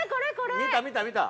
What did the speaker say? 見た見た見た。